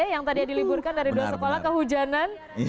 yang tadi diliburkan dari dua sekolah kehujanan